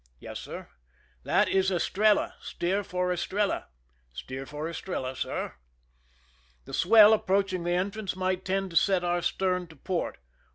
"" Yes, sir." " That is EstreUa. Steer for Estrella !" "Steer for Estrella, sir." The swell approaching the entrance might tend to set our stern to port.